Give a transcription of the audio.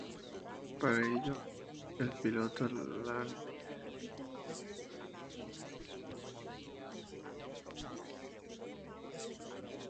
Para ello, el piloto Ian Watson tuvo que evitar la grúa central del buque.